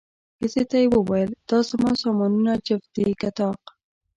ښځې ته یې وویل، دا زما سامانونه جفت دي که طاق؟